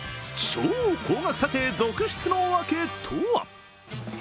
超高額査定続出のわけとは？